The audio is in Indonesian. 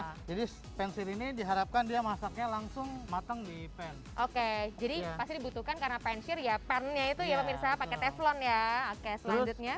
oke jadi pasti dibutuhkan karena pensil ya pernya itu ya pak teflon ya oke selanjutnya